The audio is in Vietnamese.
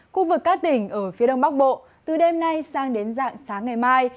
khu vực các tỉnh ở phía đông bắc bộ từ đêm nay sang đến dạng sáng ngày mai